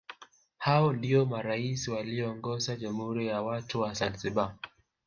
Hao ndio marais walioongoza Jamhuri ya watu wa Zanzibar